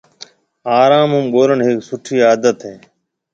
آروم هون ٻولڻ هيَڪ سُٺِي عادت هيَ۔